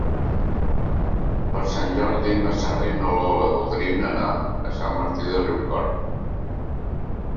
Per Sant Jordi na Sara i na Lola voldrien anar a Sant Martí de Riucorb.